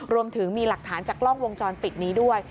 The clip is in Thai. รวมถึงมีหลักฐานจากกล้องวงจรปิดนี้ด้วย